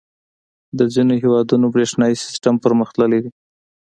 • د ځینو هېوادونو برېښنايي سیسټم پرمختللی دی.